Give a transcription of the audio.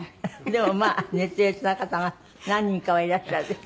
でもまあ熱烈な方が何人かはいらっしゃるでしょ。